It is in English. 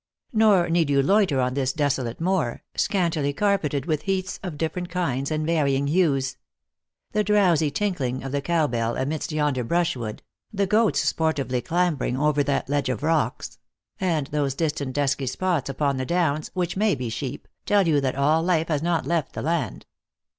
Nor need you loiter on this desolate moor, scantily carpeted with heaths of different kinds and varying hues. The drowsy tinkling of the cow bell amidst yonder brushwood, the goats sportively clambering over that ledge of rocks, and those dis tant dusky spots upon the downs, which may be sheep, tell you. that all life has not left the land.